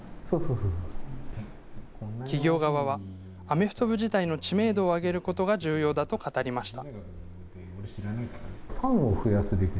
企業側はアメフト部自体の知名度を上げることが重要だと語りました。